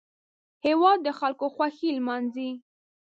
هېواد د خلکو خوښۍ لمانځي